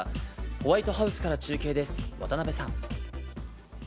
ホワイトハウスから中継です。